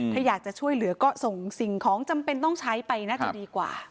ถ้าอยากจะช่วยเหลือก็ส่งสิ่งของจำเป็นต้องใช้ไปน่าจะดีกว่า